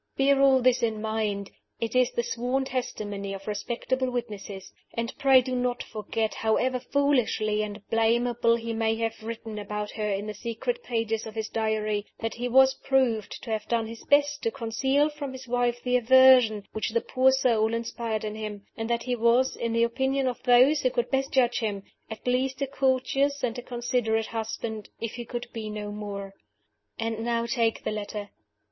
Bear all this in mind (it is the sworn testimony of respectable witnesses); and pray do not forget however foolishly and blamably he may have written about her in the secret pages of his Diary that he was proved to have done his best to conceal from his wife the aversion which the poor soul inspired in him; and that he was (in the opinion of those who could best judge him) at least a courteous and a considerate husband, if he could be no more. And now take the letter.